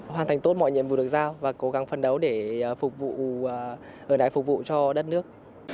hoàn thành tốt mọi nhiệm vụ được giao và cố gắng phấn đấu để phục vụ cho đất nước